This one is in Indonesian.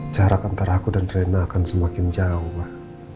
jarak antara aku dan rena akan semakin jauh